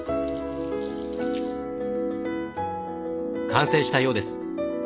完成したようです。